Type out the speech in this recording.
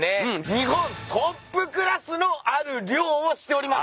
日本トップクラスのある漁をしております。